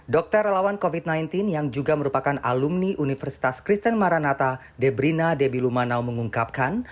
dokter lawan covid sembilan belas yang juga merupakan alumni universitas christian maranatha debrina debilumanau mengungkapkan